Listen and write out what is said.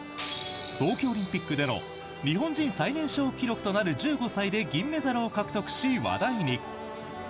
冬季オリンピックでの日本人最年少記録となる１５歳で銀メダルを獲得し、話題に。